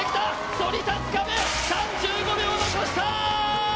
そり立つ壁、３５秒残した。